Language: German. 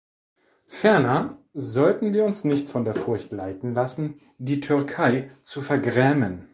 Ferner sollten wir uns nicht von der Furcht leiten lassen, die Türkei zu vergrämen.